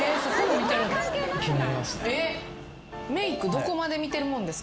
どこまで見てるもんですか？